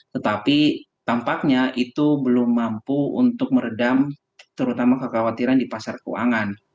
tetapi tampaknya itu belum mampu untuk meredam terutama kekhawatiran di pasar keuangan